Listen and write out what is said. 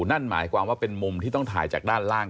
นั่นหมายความว่าเป็นมุมที่ต้องถ่ายจากด้านล่าง